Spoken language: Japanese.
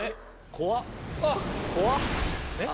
怖っ！